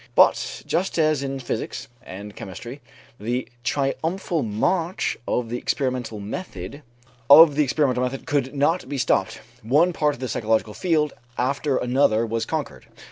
But just as in physics and chemistry the triumphal march of the experimental method could not be stopped, one part of the psychological field after another was conquered.